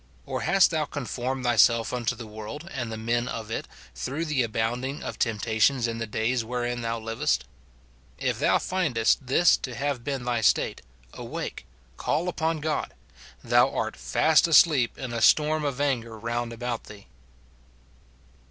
or hast thou conformed thyself unto the world and the men of it, through the abounding of temptations in the days wherein thou livest ? If thou findest this to have been thy state, awake, call upon God ; thou art fast asleep in a storm of anger round about thee.